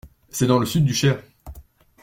C’est dans le sud du Cher.